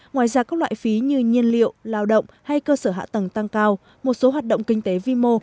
ngoài ra các loại phí như nhiên liệu lao động hay cơ sở hạ tầng tăng cao một số hoạt động kinh tế vi mô